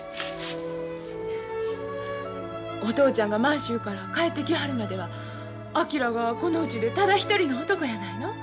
お父ちゃんが満州から帰ってきはるまでは昭がこのうちでただ一人の男やないの。